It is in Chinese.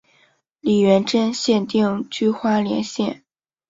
李元贞现定居花莲县。